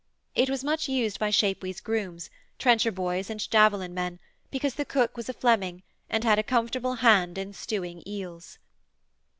It was much used by Chapuys' grooms, trencher boys and javelin men, because the cook was a Fleming, and had a comfortable hand in stewing eels.